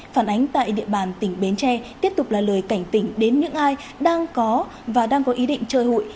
phản ánh tại địa bàn tỉnh bến tre tiếp tục là lời cảnh tỉnh đến những ai đang có và đang có ý định chơi hụi